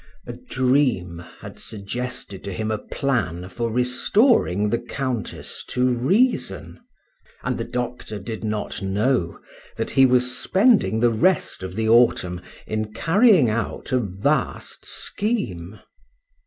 A dream had suggested to him a plan for restoring the Countess to reason, and the doctor did not know that he was spending the rest of the autumn in carrying out a vast scheme.